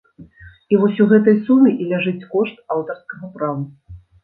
І вось у гэтай суме і ляжыць кошт аўтарскага права.